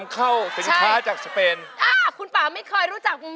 ร้องได้ให้ร้าน